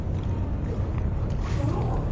えっドローン！？